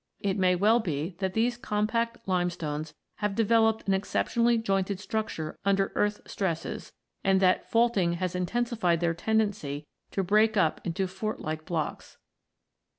It may well be that these compact limestones have developed an exceptionally jointed structure under earth stresses, and that faulting has intensified their tendency to break up into fort like blocks.